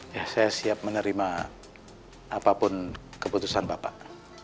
ya saya siap menerima apapun keputusan bapak